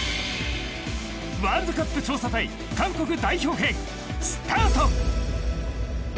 ワールドカップ調査隊韓国代表編スタート。